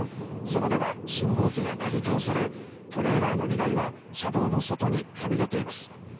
そばでは信号機がなぎ倒されトレーラーの荷台は車道の外にはみ出ています。